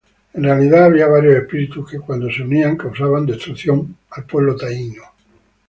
En realidad, había varios espíritus que, cuando se unían, causaban destrucción al pueblo taíno.